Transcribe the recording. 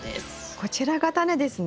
こちらがタネですね？